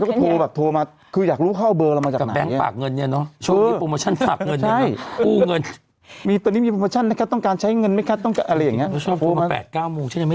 คุณสุดยอดโทรมาจริงคุณสุดยอดโทรมาจริงคุณสุดยอดโทรมาจริงคุณสุดยอดโทรมาจริงคุณสุดยอดโทรมาจริงคุณสุดยอดโทรมาจริงคุณสุดยอดโทรมาจริงคุณสุดยอดโทรมาจริงคุณสุดยอดโทรมาจริงคุณสุดยอดโทรมาจริงคุณสุดยอดโทรมาจริงค